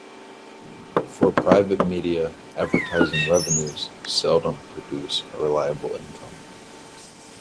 For private media, advertising revenues seldom produce a reliable income.